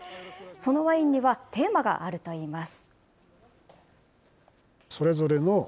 そのワインには、テーマがあるといいます。